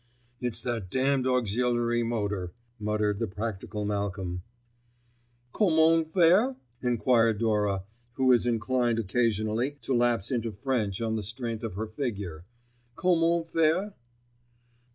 "It's that damned auxiliary motor," muttered the practical Malcolm. "Commong faire?" enquired Dora, who is inclined occasionally to lapse into French on the strength of her figure. "Commong faire?"